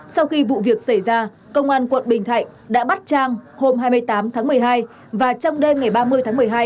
sau khi vụ việc xảy ra công an quận bình thạnh đã bắt trang hôm hai mươi tám tháng một mươi hai và trong đêm ngày ba mươi tháng một mươi hai